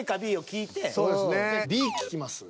Ｂ聞きます？